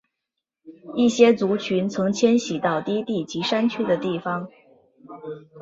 一些族群曾迁徙到低地及山区的地方。